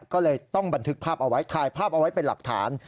ก็เลยต้องบันทึกภาพเอาไว้ถ่ายภาพเอาไว้เป็นหลักฐาน